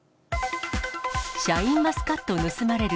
シャインマスカット盗まれる。